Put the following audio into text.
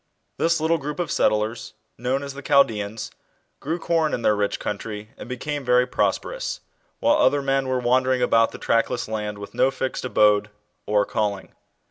This little group of settlers known as the 1 Chaldeans grew corn in their rich country and became very prosperous, while other men were wandering about the trackless land with no fixed abode or calling.